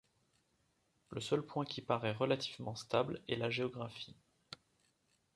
Le seul point qui parait relativement stable est la géographie.